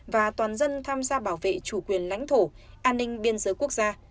và toàn dân tham gia bảo vệ chủ quyền lãnh thổ an ninh biên giới quốc gia